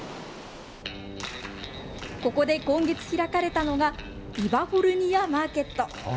ここで今月開かれたのが、イバフォルニア・マーケット。